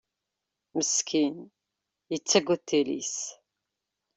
Meskin, yettagad tili-s.